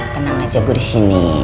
tenang aja gue disini